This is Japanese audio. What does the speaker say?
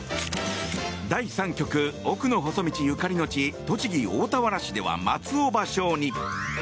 第３局、「奥の細道」ゆかりの地栃木・大田原市では松尾芭蕉に。